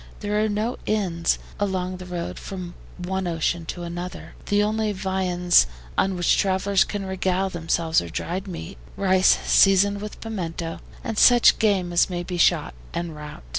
There are no inns along this road from one ocean to another. The only viands on which travelers can regale themselves are dried meat, rice seasoned with pimento, and such game as may be shot en route.